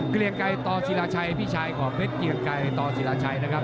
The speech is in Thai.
เกลียงไกรต่อศิลาชัยพี่ชายของเพชรเกียงไกรต่อศิราชัยนะครับ